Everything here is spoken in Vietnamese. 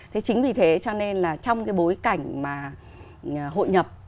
thế chính vì thế cho nên là trong cái bối cảnh mà hội nhập thì có thể nói là cái cơ hội của người việt nam